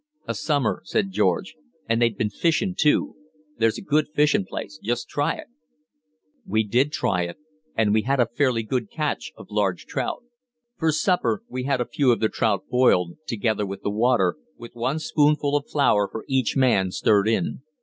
"A summer," said George. "And they'd been fishing, too. There's a good fishing place just try it!" We did try it, and we had a fairly good catch of large trout. For supper we had a few of the trout boiled, together with the water, with one spoonful of flour for each man stirred in.